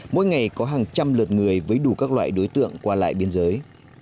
mỗi ngày có hàng trăm lượt người với đủ các loại đối tượng qua lại biên giới